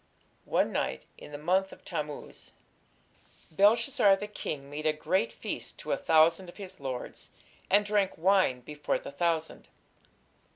One night, in the month of Tammuz Belshazzar the king made a great feast to a thousand of his lords, and drank wine before the thousand.